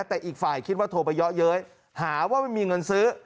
แต่อีกฝ่ายคิดว่าโทรไปเยอะเย้ยหาว่าไม่มีเงินซื้อ